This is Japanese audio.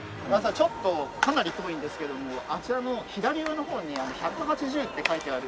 ちょっとかなり遠いんですけどもあちらの左上の方に「１８０」って書いてある。